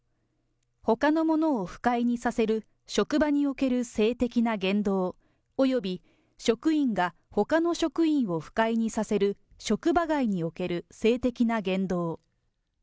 ほかの者を不快にさせる職場における性的な言動および職員がほかの職員を不快にさせる、職場外における性的な言動。